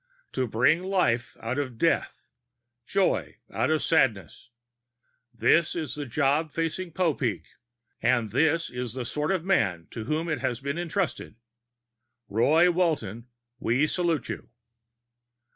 To bring life out of death, joy out of sadness this is the job facing Popeek, and this is the sort of man to whom it has been entrusted. Roy Walton, we salute you!"